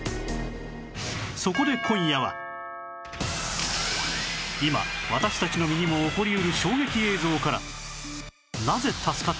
そこで今私たちの身にも起こり得る衝撃映像から「なぜ助かった？」